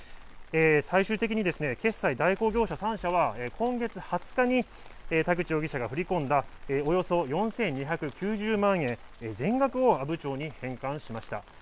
最終的に決済代行業者３社は、今月２０日に、田口容疑者が振り込んだおよそ４２９０万円、全額を阿武町に返還しました。